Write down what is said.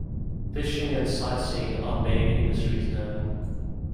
Fishing and sightseeing are main industries now.